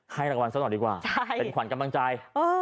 มันเป็นลักษณะนิสัยของคนไทยเราด้วย